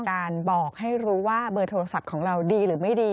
การบอกให้รู้ว่าเบอร์โทรศัพท์ของเราดีหรือไม่ดี